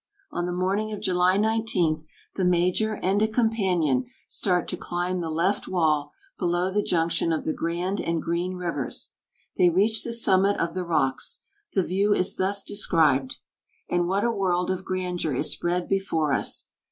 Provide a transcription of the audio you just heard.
On the morning of July 19, the Major and a companion start to climb the left wall below the junction of the Grand and Green Rivers. They reach the summit of the rocks. The view is thus described: "And what a world of grandeur is spread before us!